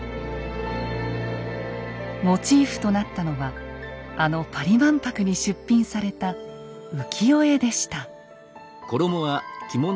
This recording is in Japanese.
モチーフとなったのはあのパリ万博に出品された浮世絵でした。